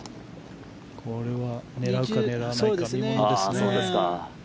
これは狙うか、狙わないか見物ですね。